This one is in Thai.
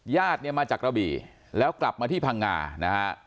ญาติเนี่ยมาจากกระบี่แล้วกลับมาที่พังงานะฮะ